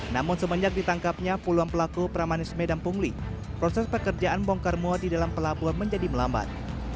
namun semenjak ditangkapnya puluhan pelaku pramanisme dan pungli proses pekerjaan bongkar muat di dalam pelabuhan menjadi melambat